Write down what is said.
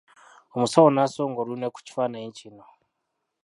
Omusawo n'asonga olunwe ku kifaananyi kino.